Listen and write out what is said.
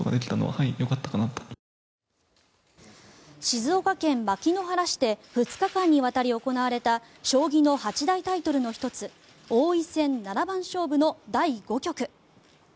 静岡県牧之原市で２日間にわたり行われた将棋の八大タイトルの１つ王位戦七番勝負の第５局。